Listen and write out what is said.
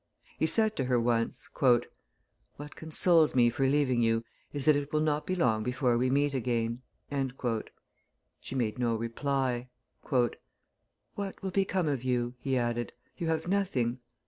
He said to her once, "What consoles me for leaving you, is that it will not be long before we meet again." She made no reply. "What will become of you?" he added; "you have nothing."